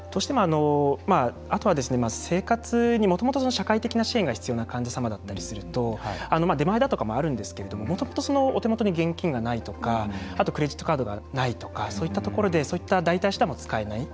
あとは、生活にもともと社会的な支援が必要な患者様だったりすると出前だとかもあるんですけどもともとお手元に現金がないとかあとクレジットカードがないとかそういったところで代替手段を使えない。